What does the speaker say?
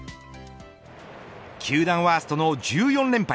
球団ワーストの１４連敗。